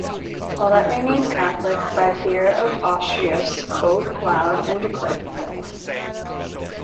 All that remained Catholic by fear of Austria spoke loud and declared itself.